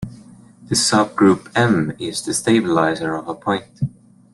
The subgroup "M" is the stabilizer of a point.